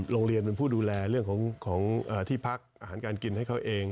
โรงเรียนเป็นผู้ดูแลเรื่องของที่พักอาหารการกินให้เขาเอง